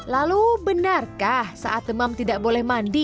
lalu benarkah saat demam tidak boleh mandi